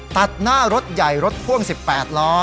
ตัดหน้ารถใหญ่รถพ่วง๑๘ล้อ